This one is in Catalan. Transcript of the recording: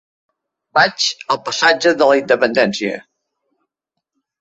Vaig al passatge de la Independència.